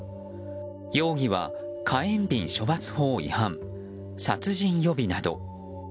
容疑は、火炎びん処罰法違反殺人予備など。